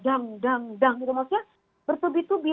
dang dang dang gitu maksudnya bertubi tubi